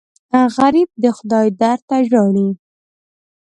غریب د خدای در ته ژاړي